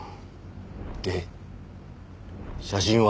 で写真は？